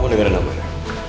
mona kamu dengerin aku ya